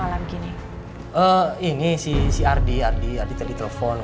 gak pas saya belum tidur kok